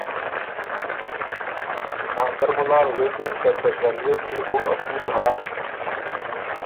ناندر مُلال غوېکِن که ”ته شریعت يې او اصول هۀ